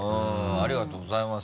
ありがとうございます。